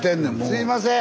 すいません！